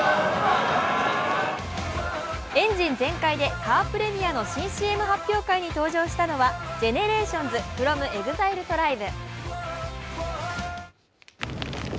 エンジン全開でカープレミアの新ＣＭ発表会に登場したのはＧＥＮＥＲＡＴＩＯＮＳｆｒｏｍＥＸＩＬＥＴＲＩＢＥ。